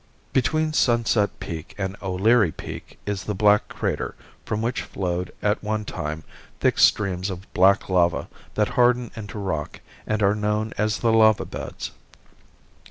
Between Sunset Peak and O'Leary Peak is the Black Crater from which flowed at one time thick streams of black lava that hardened into rock and are known as the lava beds.